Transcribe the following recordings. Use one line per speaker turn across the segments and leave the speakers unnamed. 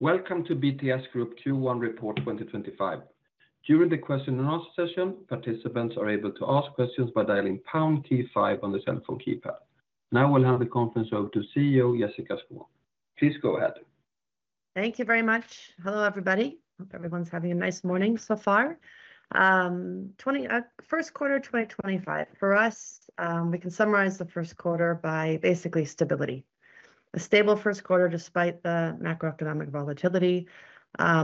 Welcome to BTS Group Q1 Report 2025. During the question-and-answer session, participants are able to ask questions by dialing pound key 5 on the cell phone keypad. Now we'll hand the conference over to CEO Jessica Skon. Please go ahead.
Thank you very much. Hello, everybody. Hope everyone's having a nice morning so far. First quarter 2025, for us, we can summarize the first quarter by basically stability. A stable first quarter despite the macroeconomic volatility.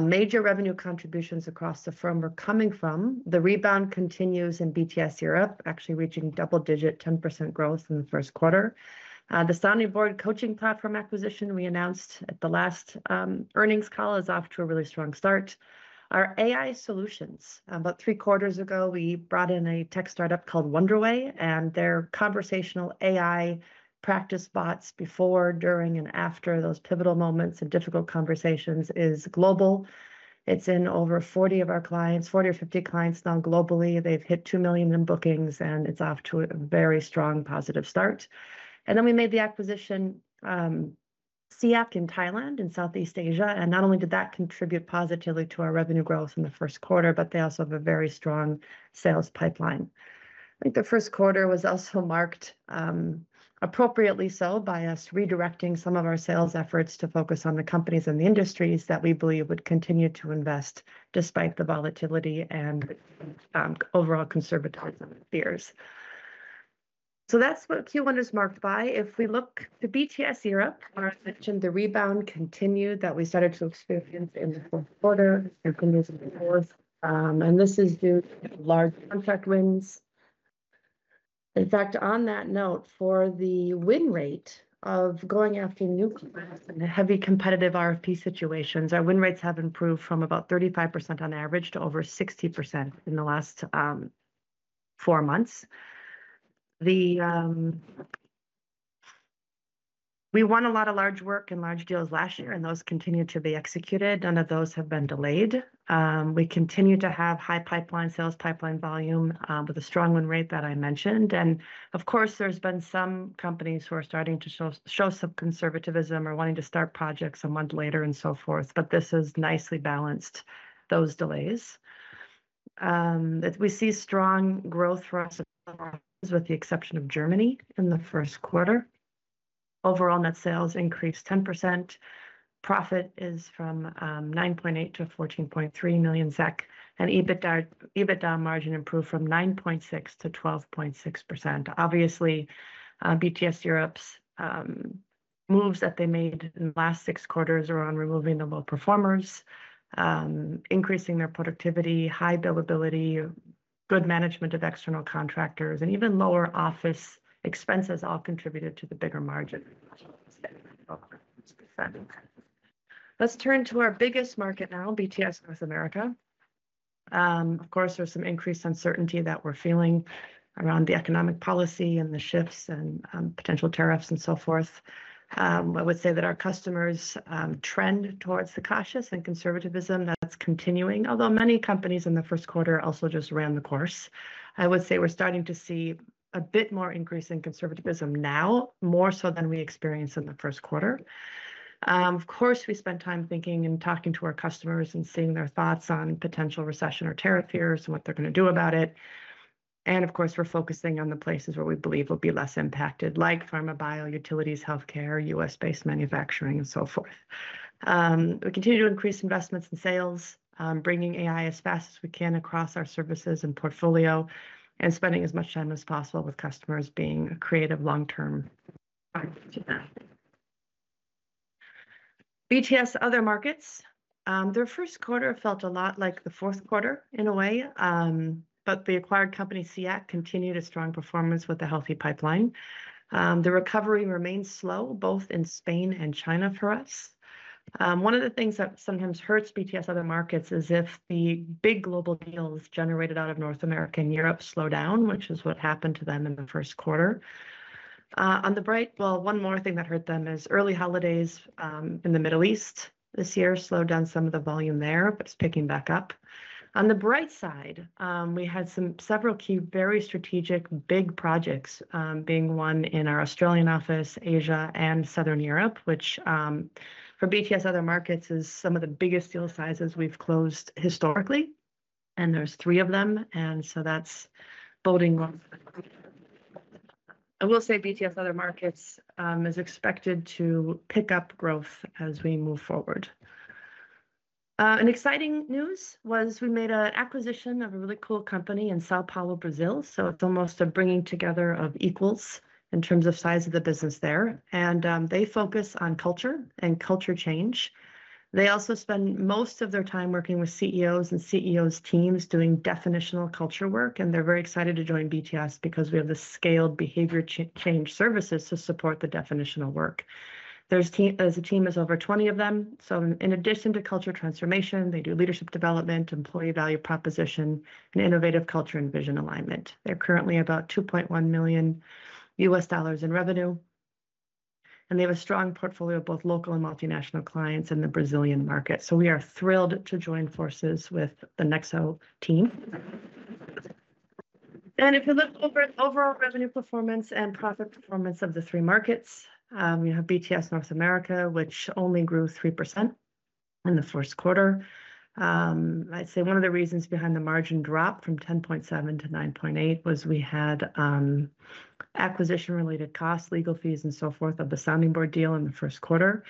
Major revenue contributions across the firm were coming from. The rebound continues in BTS Europe, actually reaching double-digit 10% growth in the first quarter. The Sounding Board coaching platform acquisition we announced at the last earnings call is off to a really strong start. Our AI solutions, about three quarters ago, we brought in a tech startup called Wonderway, and their conversational AI practice bots before, during, and after those pivotal moments and difficult conversations is global. It's in over 40 of our clients, 40 or 50 clients now globally. They've hit $2 million in bookings, and it's off to a very strong positive start. We made the acquisition of Siak in Thailand in Southeast Asia. Not only did that contribute positively to our revenue growth in the first quarter, but they also have a very strong sales pipeline. I think the first quarter was also marked appropriately by us redirecting some of our sales efforts to focus on the companies and the industries that we believe would continue to invest despite the volatility and overall conservatism of peers. That is what Q1 is marked by. If we look to BTS Europe, as I mentioned, the rebound continued that we started to experience in the fourth quarter, continues in the fourth. This is due to large contract wins. In fact, on that note, for the win rate of going after new clients and the heavy competitive RFP situations, our win rates have improved from about 35% on average to over 60% in the last four months. We won a lot of large work and large deals last year, and those continue to be executed. None of those have been delayed. We continue to have high pipeline sales, pipeline volume with a strong win rate that I mentioned. Of course, there's been some companies who are starting to show some conservatism or wanting to start projects a month later and so forth, but this has nicely balanced those delays. We see strong growth for us with the exception of Germany in the first quarter. Overall, net sales increased 10%. Profit is from 9.8 million to 14.3 million SEK, and EBITDA margin improved from 9.6% to 12.6%. Obviously, BTS Europe's moves that they made in the last six quarters are on removing the low performers, increasing their productivity, high billability, good management of external contractors, and even lower office expenses all contributed to the bigger margin. Let's turn to our biggest market now, BTS North America. Of course, there's some increased uncertainty that we're feeling around the economic policy and the shifts and potential tariffs and so forth. I would say that our customers trend towards the cautious and conservatism that's continuing, although many companies in the first quarter also just ran the course. I would say we're starting to see a bit more increase in conservatism now, more so than we experienced in the first quarter. Of course, we spent time thinking and talking to our customers and seeing their thoughts on potential recession or tariff fears and what they're going to do about it. Of course, we're focusing on the places where we believe will be less impacted, like pharma bio, utilities, healthcare, U.S.-based manufacturing, and so forth. We continue to increase investments and sales, bringing AI as fast as we can across our services and portfolio and spending as much time as possible with customers being creative long-term. BTS Other Markets, their first quarter felt a lot like the fourth quarter in a way, but the acquired company Siak continued a strong performance with a healthy pipeline. The recovery remains slow both in Spain and China for us. One of the things that sometimes hurts BTS Other Markets is if the big global deals generated out of North America and Europe slow down, which is what happened to them in the first quarter. One more thing that hurt them is early holidays in the Middle East this year slowed down some of the volume there, but it is picking back up. On the bright side, we had several key, very strategic big projects being won in our Australian office, Asia, and Southern Europe, which for BTS Other Markets is some of the biggest deal sizes we have closed historically. There are three of them. That is building on. I will say BTS Other Markets is expected to pick up growth as we move forward. An exciting news was we made an acquisition of a really cool company in São Paulo, Brazil. It is almost a bringing together of equals in terms of size of the business there. They focus on culture and culture change. They also spend most of their time working with CEOs and CEOs' teams doing definitional culture work. They are very excited to join BTS because we have the scaled behavior change services to support the definitional work. There is a team of over 20 of them. In addition to culture transformation, they do leadership development, employee value proposition, and innovative culture and vision alignment. They are currently about $2.1 million in revenue. They have a strong portfolio of both local and multinational clients in the Brazilian market. We are thrilled to join forces with the Nexo team. If you look over at overall revenue performance and profit performance of the three markets, we have BTS North America, which only grew 3% in the first quarter. I'd say one of the reasons behind the margin drop from 10.7% to 9.8% was we had acquisition-related costs, legal fees, and so forth of the Sounding Board deal in the first quarter.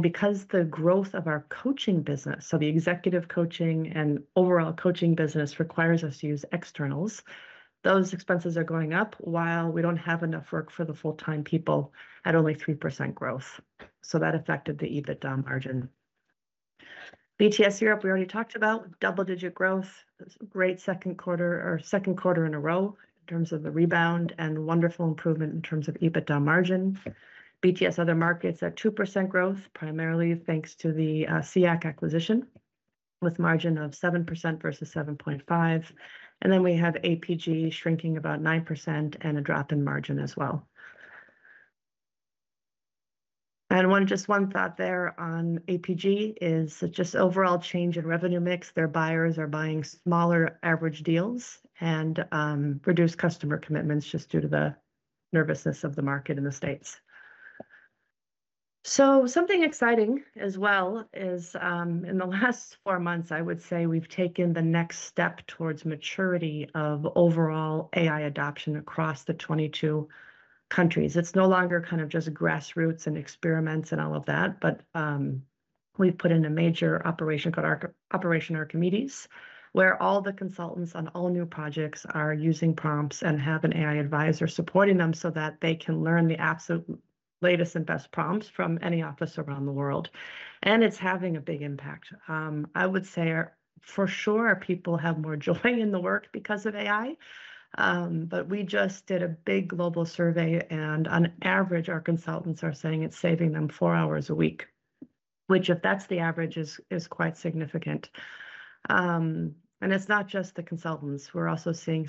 Because the growth of our coaching business, so the executive coaching and overall coaching business requires us to use externals, those expenses are going up while we do not have enough work for the full-time people at only 3% growth. That affected the EBITDA margin. BTS Europe, we already talked about double-digit growth, great second quarter or second quarter in a row in terms of the rebound and wonderful improvement in terms of EBITDA margin. BTS Other Markets at 2% growth, primarily thanks to the Siak acquisition with margin of 7% versus 7.5%. We have APG shrinking about 9% and a drop in margin as well. Just one thought there on APG is just overall change in revenue mix. Their buyers are buying smaller average deals and reduced customer commitments just due to the nervousness of the market in the States. Something exciting as well is in the last four months, I would say we've taken the next step towards maturity of overall AI adoption across the 22 countries. It's no longer kind of just grassroots and experiments and all of that, but we've put in a major operation called Operation Archimedes where all the consultants on all new projects are using prompts and have an AI Advisor supporting them so that they can learn the absolute latest and best prompts from any office around the world. It's having a big impact. I would say for sure people have more joy in the work because of AI. We just did a big global survey, and on average, our consultants are saying it's saving them four hours a week, which if that's the average is quite significant. It's not just the consultants. We're also seeing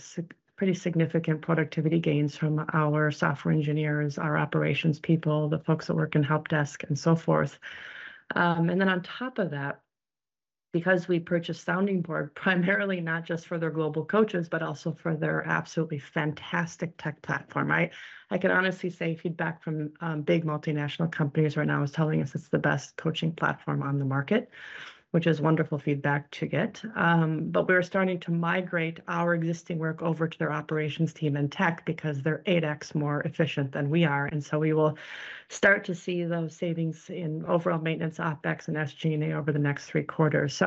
pretty significant productivity gains from our software engineers, our operations people, the folks that work in help desk, and so forth. On top of that, because we purchased Sounding Board primarily not just for their global coaches, but also for their absolutely fantastic tech platform, right? I can honestly say feedback from big multinational companies right now is telling us it's the best coaching platform on the market, which is wonderful feedback to get. We're starting to migrate our existing work over to their operations team and tech because they're 8x more efficient than we are. We will start to see those savings in overall maintenance, OpEx, and SG&A over the next three quarters.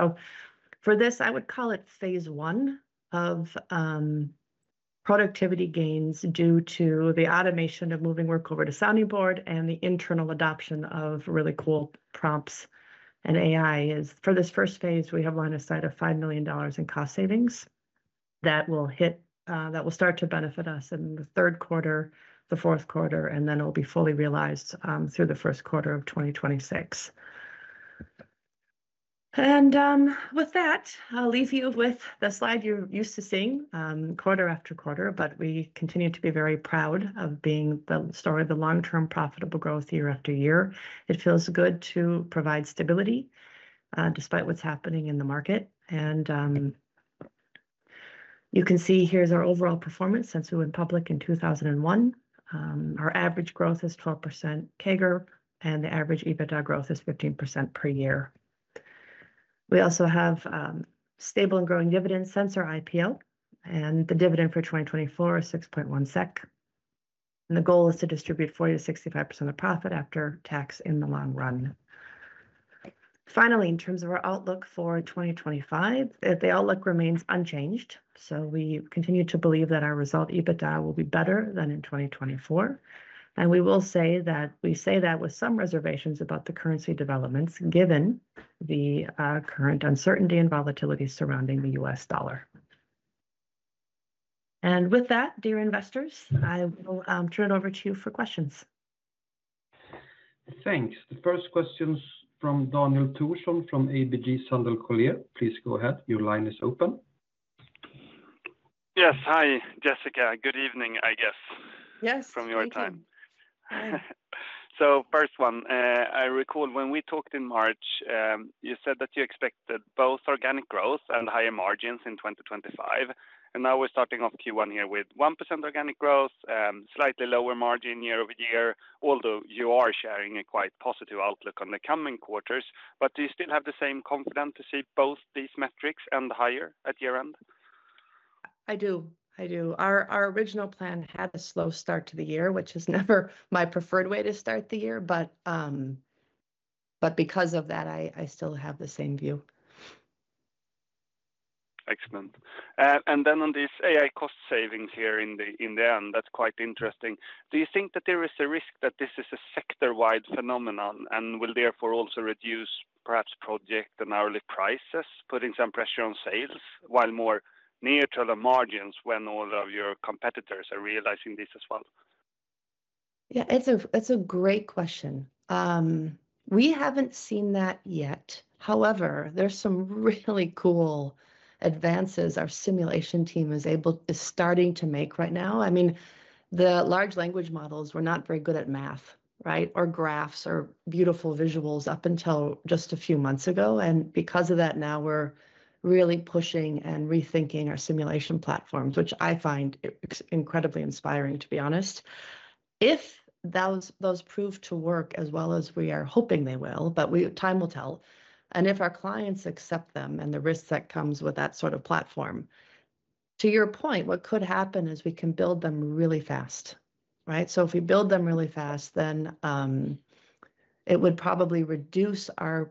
For this, I would call it phase one of productivity gains due to the automation of moving work over to Sounding Board and the internal adoption of really cool prompts. AI is for this first phase. We have one assigned of $5 million in cost savings that will start to benefit us in the third quarter, the fourth quarter, and then it will be fully realized through the first quarter of 2026. With that, I'll leave you with the slide you're used to seeing quarter after quarter, but we continue to be very proud of being the story of the long-term profitable growth year after year. It feels good to provide stability despite what's happening in the market. You can see here is our overall performance since we went public in 2001. Our average growth is 12% CAGR, and the average EBITDA growth is 15% per year. We also have stable and growing dividends since our IPO, and the dividend for 2024 is 6.1 SEK. The goal is to distribute 40-65% of profit after tax in the long run. Finally, in terms of our outlook for 2025, the outlook remains unchanged. We continue to believe that our result EBITDA will be better than in 2024. We say that with some reservations about the currency developments given the current uncertainty and volatility surrounding the U.S. dollar. With that, dear investors, I will turn it over to you for questions.
Thanks. The first question is from Daniel Tushan from ABG Sundal Collier. Please go ahead. Your line is open.
Yes. Hi, Jessica. Good evening, I guess.
Yes.
From your time. First one, I recall when we talked in March, you said that you expected both organic growth and higher margins in 2025. Now we're starting off Q1 here with 1% organic growth, slightly lower margin year over year, although you are sharing a quite positive outlook on the coming quarters. Do you still have the same confidence to see both these metrics and higher at year end?
I do. I do. Our original plan had a slow start to the year, which is never my preferred way to start the year. Because of that, I still have the same view.
Excellent. On these AI cost savings here in the end, that's quite interesting. Do you think that there is a risk that this is a sector-wide phenomenon and will therefore also reduce perhaps project and hourly prices, putting some pressure on sales while more neutral on margins when all of your competitors are realizing this as well?
Yeah, it's a great question. We haven't seen that yet. However, there's some really cool advances our simulation team is able to starting to make right now. I mean, the large language models were not very good at math, right? Or graphs or beautiful visuals up until just a few months ago. Because of that, now we're really pushing and rethinking our simulation platforms, which I find incredibly inspiring, to be honest. If those prove to work as well as we are hoping they will, time will tell. If our clients accept them and the risks that come with that sort of platform, to your point, what could happen is we can build them really fast, right? If we build them really fast, then it would probably reduce our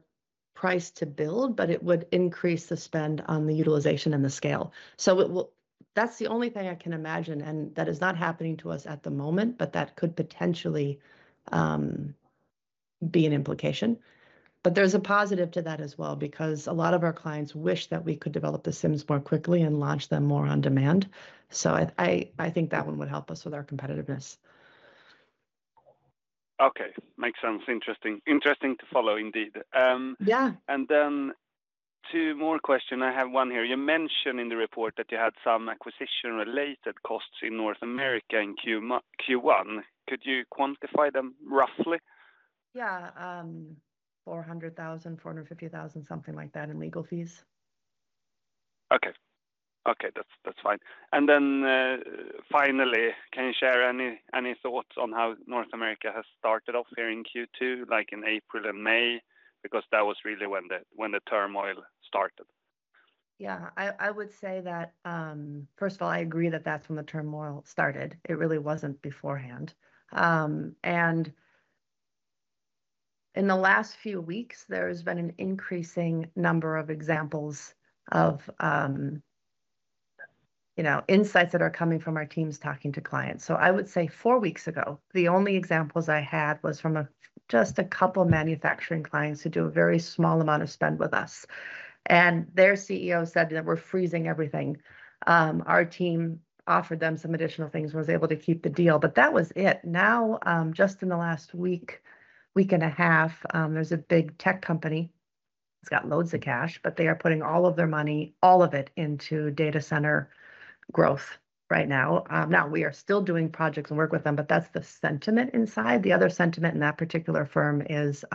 price to build, but it would increase the spend on the utilization and the scale. That's the only thing I can imagine, and that is not happening to us at the moment, but that could potentially be an implication. There is a positive to that as well because a lot of our clients wish that we could develop the SIMs more quickly and launch them more on demand. I think that one would help us with our competitiveness.
Okay. Makes sense. Interesting. Interesting to follow indeed.
Yeah.
Two more questions. I have one here. You mentioned in the report that you had some acquisition-related costs in North America in Q1. Could you quantify them roughly?
Yeah. $400,000-$450,000, something like that in legal fees.
Okay. Okay. That's fine. Finally, can you share any thoughts on how North America has started off here in Q2, like in April and May, because that was really when the turmoil started?
Yeah. I would say that, first of all, I agree that that's when the turmoil started. It really wasn't beforehand. In the last few weeks, there has been an increasing number of examples of insights that are coming from our teams talking to clients. I would say four weeks ago, the only examples I had was from just a couple of manufacturing clients who do a very small amount of spend with us. Their CEO said that we're freezing everything. Our team offered them some additional things and was able to keep the deal, but that was it. Now, just in the last week, week and a half, there's a big tech company. It's got loads of cash, but they are putting all of their money, all of it into data center growth right now. Now, we are still doing projects and work with them, but that's the sentiment inside. The other sentiment in that particular firm is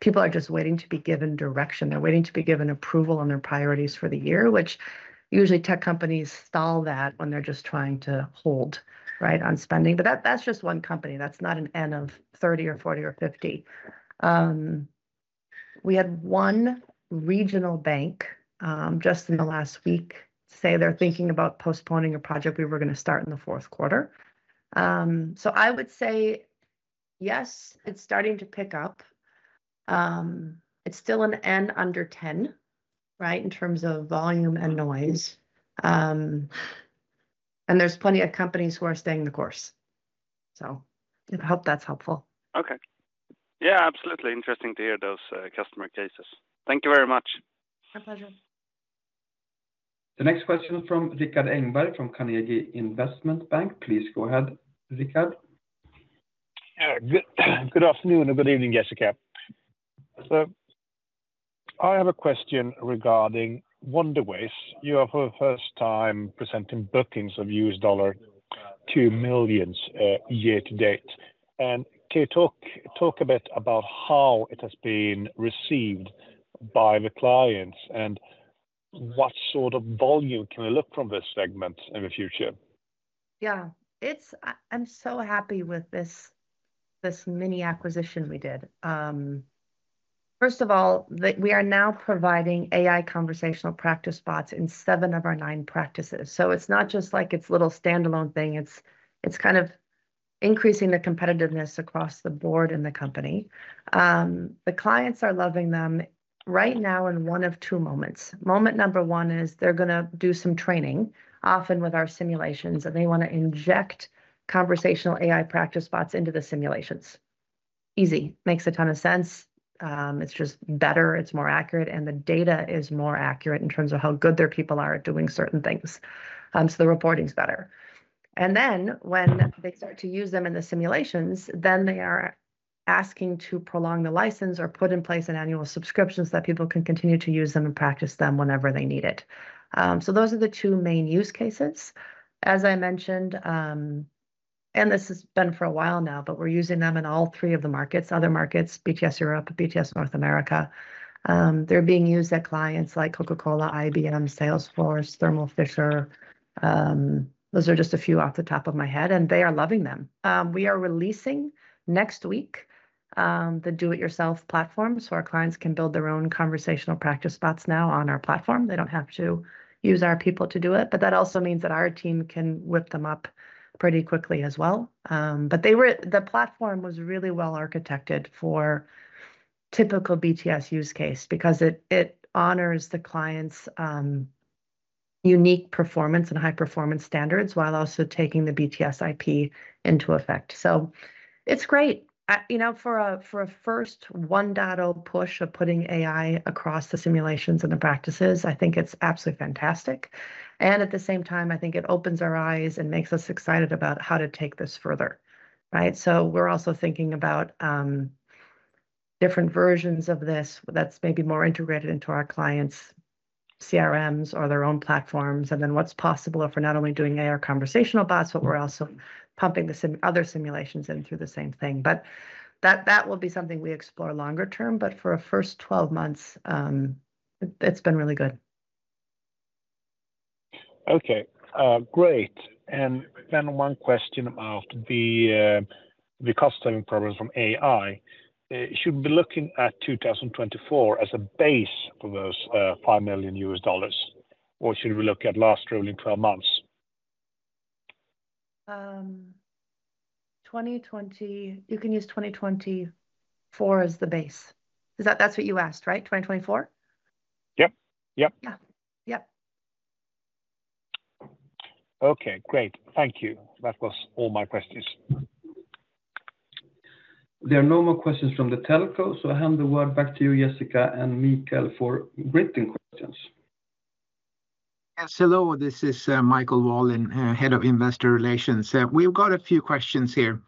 people are just waiting to be given direction. They're waiting to be given approval on their priorities for the year, which usually tech companies stall that when they're just trying to hold, right, on spending. That's just one company. That's not an N of 30 or 40 or 50. We had one regional bank just in the last week say they're thinking about postponing a project we were going to start in the fourth quarter. I would say, yes, it's starting to pick up. It's still an N under 10, right, in terms of volume and noise. There are plenty of companies who are staying the course. I hope that's helpful.
Okay. Yeah, absolutely. Interesting to hear those customer cases. Thank you very much.
My pleasure.
The next question is from Rikard Engberg from Carnegie Investment Bank. Please go ahead, Rikard.
Good afternoon and good evening, Jessica. I have a question regarding WonderWay. You are for the first time presenting bookings of $2 million year to date. Can you talk a bit about how it has been received by the clients and what sort of volume can we look from this segment in the future?
Yeah. I'm so happy with this mini acquisition we did. First of all, we are now providing AI conversational practice bots in seven of our nine practices. So it's not just like it's a little standalone thing. It's kind of increasing the competitiveness across the board in the company. The clients are loving them right now in one of two moments. Moment number one is they're going to do some training, often with our simulations, and they want to inject conversational AI practice bots into the simulations. Easy. Makes a ton of sense. It's just better. It's more accurate. And the data is more accurate in terms of how good their people are at doing certain things. So the reporting's better. When they start to use them in the simulations, they are asking to prolong the license or put in place an annual subscription so that people can continue to use them and practice them whenever they need it. Those are the two main use cases. As I mentioned, and this has been for a while now, we are using them in all three of the markets, other markets, BTS Europe, BTS North America. They are being used at clients like Coca-Cola, IBM, Salesforce, Thermo Fisher. Those are just a few off the top of my head. They are loving them. We are releasing next week the do-it-yourself platform so our clients can build their own conversational practice bots now on our platform. They do not have to use our people to do it. That also means that our team can whip them up pretty quickly as well. The platform was really well architected for typical BTS use case because it honors the client's unique performance and high performance standards while also taking the BTS IP into effect. It is great. For a first one-dot-oh push of putting AI across the simulations and the practices, I think it is absolutely fantastic. At the same time, I think it opens our eyes and makes us excited about how to take this further, right? We are also thinking about different versions of this that are maybe more integrated into our clients' CRMs or their own platforms and then what is possible if we are not only doing AI conversational bots, but we are also pumping other simulations in through the same thing. That will be something we explore longer term. For a first 12 months, it's been really good.
Okay. Great. One question about the cost saving programs from AI. Should we be looking at 2024 as a base for those $5 million U.S. dollars, or should we look at last rolling 12 months?
You can use 2024 as the base. That's what you asked, right? 2024?
Yep. Yep.
Yeah. Yep.
Okay. Great. Thank you. That was all my questions.
There are no more questions from the telco. I hand the word back to you, Jessica and Michael, for greeting questions.
Hello. This is Michael Wallin, Head of Investor Relations. We've got a few questions here.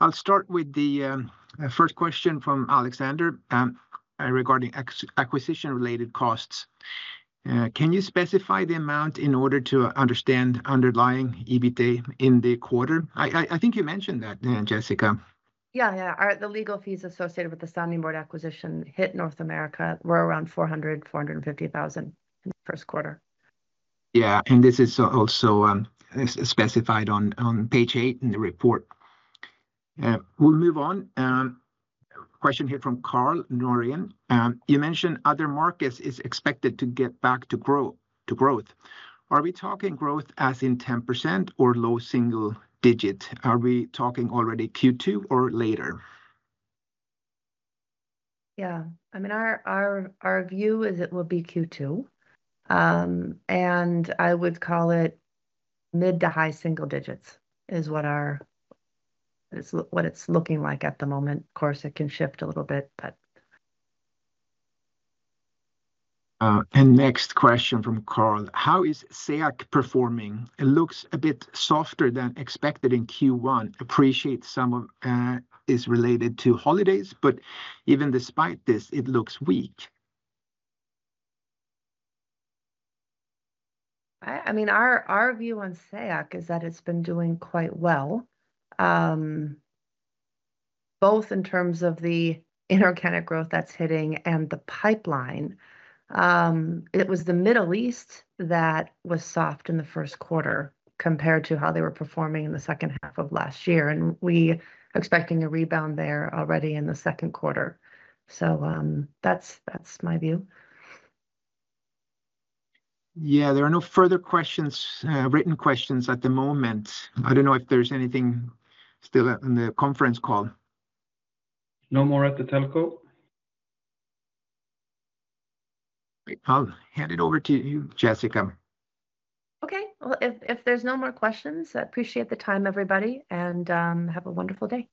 I'll start with the first question from Alexander regarding acquisition-related costs. Can you specify the amount in order to understand underlying EBITDA in the quarter? I think you mentioned that, Jessica.
Yeah. Yeah. The legal fees associated with the Sounding Board acquisition in North America were around $400,000-$450,000 in the first quarter.
Yeah. This is also specified on page eight in the report. We'll move on. Question here from Carl Norrien. You mentioned other markets is expected to get back to growth. Are we talking growth as in 10% or low single digit? Are we talking already Q2 or later?
Yeah. I mean, our view is it will be Q2. And I would call it mid to high single digits is what it's looking like at the moment. Of course, it can shift a little bit, but.
Next question from Carl. How is SEAC performing? It looks a bit softer than expected in Q1. Appreciate some of it is related to holidays, but even despite this, it looks weak.
I mean, our view on SEAC is that it's been doing quite well, both in terms of the inorganic growth that's hitting and the pipeline. It was the Middle East that was soft in the first quarter compared to how they were performing in the second half of last year. We are expecting a rebound there already in the second quarter. So that's my view.
Yeah. There are no further questions, written questions at the moment. I don't know if there's anything still on the conference call.
No more at the telco.
Great. I'll hand it over to you, Jessica.
Okay. If there's no more questions, I appreciate the time, everybody, and have a wonderful day.